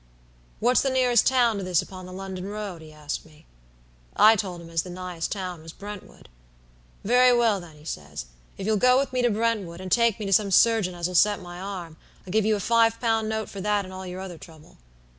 "'What's the nearest town to this upon the London road?' he asked me. "I told him as the nighest town was Brentwood. "'Very well, then,' he says, 'if you'll go with me to Brentwood, and take me to some surgeon as'll set my arm, I'll give you a five pound note for that and all your other trouble.'